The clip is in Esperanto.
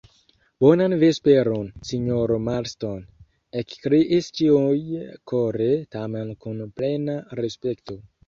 Bonan vesperon, sinjoro Marston, ekkriis ĉiuj kore, tamen kun plena respekto.